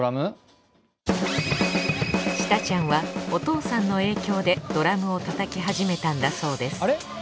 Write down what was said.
ＣＨＩＴＡＡちゃんはお父さんの影響でドラムをたたきはじめたんだそうですあれ？